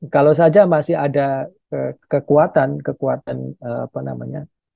kalau saja masih ada kekuatan kekuatan apa namanya